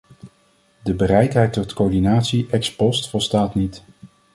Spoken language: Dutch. De bereidheid tot coördinatie ex-post volstaat niet.